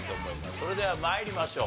それでは参りましょう。